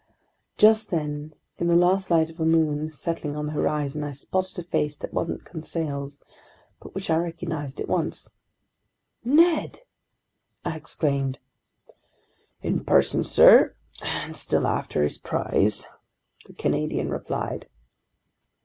Just then, in the last light of a moon settling on the horizon, I spotted a face that wasn't Conseil's but which I recognized at once. "Ned!" I exclaimed. "In person, sir, and still after his prize!" the Canadian replied.